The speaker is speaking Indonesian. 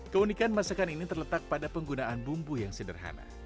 keunikan masakan ini terletak pada penggunaan bumbu yang sederhana